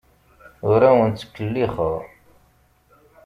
Ur awen-ttkellixeɣ.